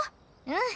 うん。